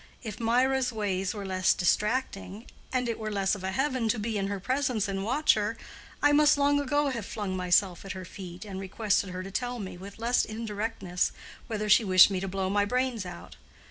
If Mirah's ways were less distracting, and it were less of a heaven to be in her presence and watch her, I must long ago have flung myself at her feet, and requested her to tell me, with less indirectness, whether she wished me to blow my brains out.